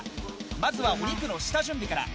まずはお肉の下準備から。